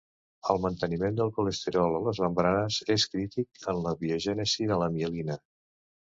El manteniment del colesterol a les membranes és crític en la biogènesi de la mielina.